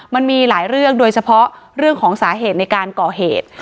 มันมีหลายเรื่องโดยเฉพาะเรื่องของสาเหตุในการก่อเหตุ